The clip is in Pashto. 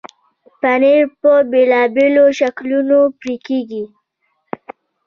پنېر په بېلابېلو شکلونو پرې کېږي.